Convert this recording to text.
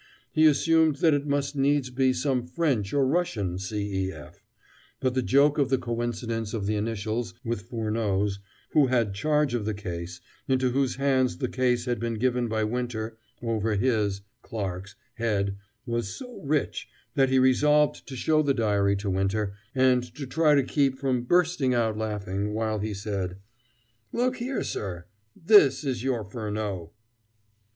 He assumed that it must needs be some French or Russian C. E. F., but the joke of the coincidence of the initials with Furneaux's, who had charge of the case, into whose hands the case had been given by Winter over his (Clarke's) head, was so rich, that he resolved to show the diary to Winter, and to try and keep from bursting out laughing, while he said: "Look here, sir this is your Furneaux!"